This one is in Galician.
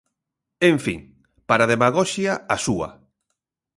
En fin, para demagoxia a súa.